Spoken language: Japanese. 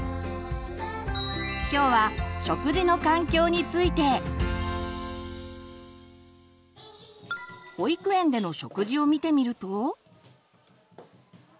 今日は保育園での食事を見てみると。